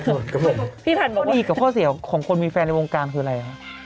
พี่ผัดบอกอีกกับข้อเสียของคนมีแฟนในวงการคืออะไรฮะ